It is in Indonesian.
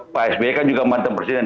pak sby kan juga mantan presiden